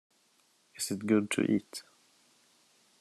Is it good to eat?